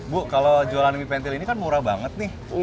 bu kalau jualan mie pentil ini kan murah banget nih